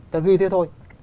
ta ghi thế thôi